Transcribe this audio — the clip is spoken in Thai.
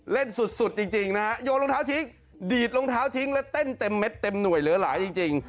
เล่นสุดจริงนะฮะโยนรองเท้าทิ้งดีดรองเท้าทิ้งแล้วเต้นเต็มเม็ดเต็มหน่วยเหลือหลายจริง